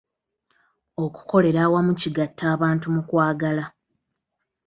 Okukolera awamu kigatta abantu mu kwagala.